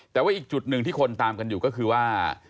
แต่ว่าอีกจุดหนึ่งที่คนตามกันอยู่ก็คือว่า